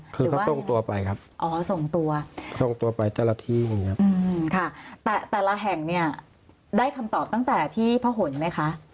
คือเขาส่งตัวไปครับส่งตัวไปแต่ละที่นะครับแต่ละแห่งเนี่ยได้คำตอบตั้งแต่ที่พระหุ่นไหมคะ